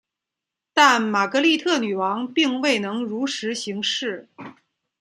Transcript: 但玛格丽特女王并未能如实行事。